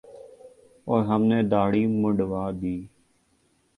اور ہم نے دھاڑی منڈوادی